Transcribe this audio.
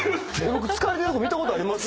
僕疲れてるとこ見たことあります？